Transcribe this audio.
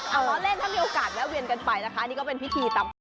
เอาล้อเล่นถ้ามีโอกาสแวะเวียนกันไปนะคะนี่ก็เป็นพิธีตามความ